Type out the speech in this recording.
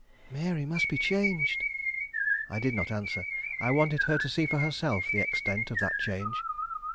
"Mary must be changed." I did not answer; I wanted her to see for herself the extent of that change.